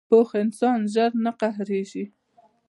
پوخ انسان ژر نه قهرېږي